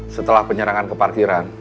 setelah penyerangan ke parkiran